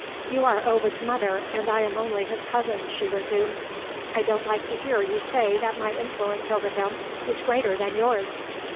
"You are Ovid's mother, and I am only his cousin," she resumed. "I don't like to hear you say that my influence over him is greater than yours."